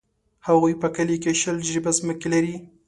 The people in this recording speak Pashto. هغوی په کلي کښې شل جریبه ځمکه لري.